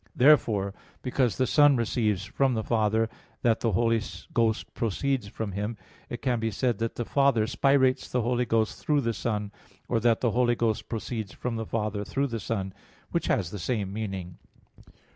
Therefore, because the Son receives from the Father that the Holy Ghost proceeds from Him, it can be said that the Father spirates the Holy Ghost through the Son, or that the Holy Ghost proceeds from the Father through the Son, which has the same meaning.